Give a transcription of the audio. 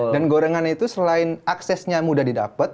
dan gorengannya itu selain aksesnya mudah didapet